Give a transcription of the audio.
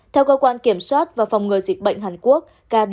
theo cơ quan kiểm soát và phòng ngừa dịch bệnh hàn quốc